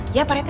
iya pak rete